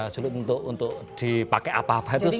sulit untuk dipakai apa apa itu